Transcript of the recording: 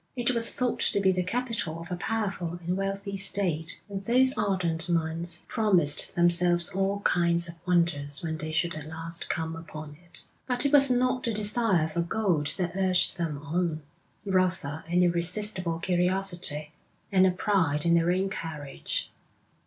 It was thought to be the capital of a powerful and wealthy state; and those ardent minds promised themselves all kinds of wonders when they should at last come upon it. But it was not the desire for gold that urged them on, rather an irresistible curiosity, and a pride in their own courage.